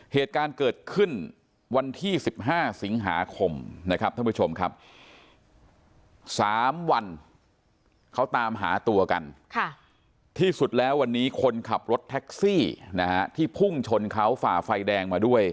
เหตุการณ์เกิดขึ้นวันที่๑๕สิงหาคมนะครับ